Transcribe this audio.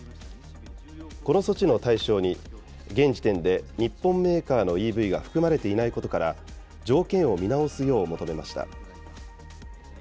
この措置の対象に、現時点で日本メーカーのＥＶが含まれていないことから、条件を見直すよう求めました。